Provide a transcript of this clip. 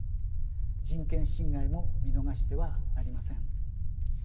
人権侵害も見逃してはなりません。